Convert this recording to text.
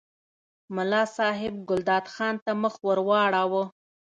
ملا صاحب ګلداد خان ته مخ ور واړاوه.